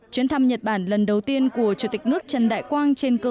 chuyến thăm nhật bản lần đầu tiên của chủ tịch nước trần đại quang